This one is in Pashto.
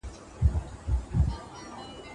ځان له ما څه پټ کي راته وخاندي